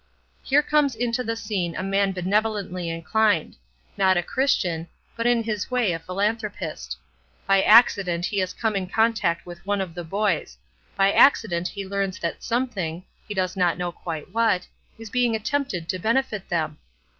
"Here comes into the scene a man benevolently inclined; not a Christian, but in his way a philanthropist. By accident he has come in contact with one of the boys; by accident he learns that something he does not know quite what is being attempted to benefit them.